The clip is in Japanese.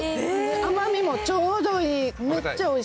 甘みもちょうどいい。